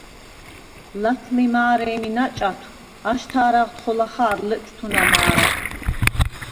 ლაჴვმი მა̄რე̄მი ნაჭათვ აშთა̄რაღდ ხოლა ხა̄რ ლეჭვთუნა მა̄რა.